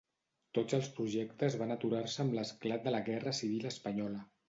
Tots els projectes van aturar-se amb l'esclat de la Guerra civil espanyola.